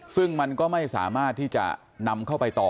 ซึ่งมันก็ไม่สามารถที่จะนำเข้าไปต่อ